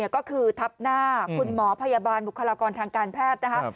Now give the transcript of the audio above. ก็คือทับหน้าคุณหมอพยาบาลบุคลากรทางการแพทย์นะคะ